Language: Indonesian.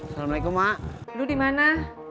assalamualaikum mak lu dimana